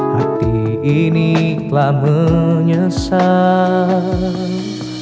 hati ini telah menyesal